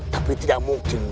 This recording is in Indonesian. tapi tidak mungkin